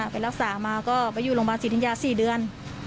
ไปรักษามาก็ไปอยู่โรงพยาบาลศิริญญา๔เดือน